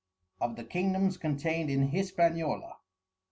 Of the Kingdoms contained in Hispaniola.